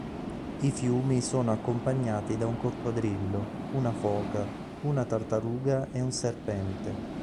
I fiumi sono accompagnati da un coccodrillo, una foca, una tartaruga e un serpente.